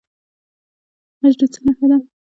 حج د څه نښه ده؟